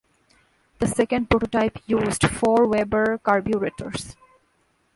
The second prototype used four Weber carburetors.